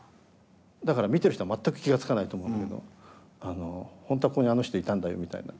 だから見てる人は全く気が付かないと思うけど本当はここにあの人いたんだよみたいな。